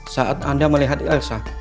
saat anda melihat elsa